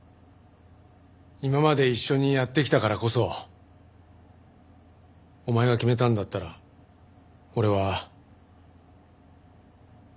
今まで一緒にやってきたからこそお前が決めたんだったら俺は俺たちは止めないよ。